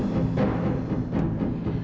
nah udah bayarnya nih